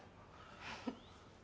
フフッ。